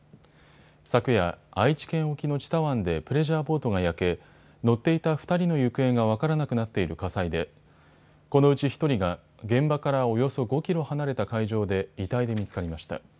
昨夜、愛知県沖の知多湾でプレジャーボートが焼け、乗っていた２人の行方が分からなくなっている火災でこのうち１人が現場からおよそ５キロ離れた海上で遺体で見つかりました。